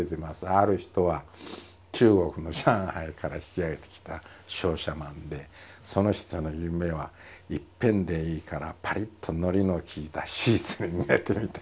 ある人は中国の上海から引き揚げてきた商社マンでその人の夢はいっぺんでいいからパリッとのりのきいたシーツに寝てみたいと。